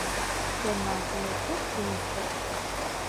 Denmark লেখক James F.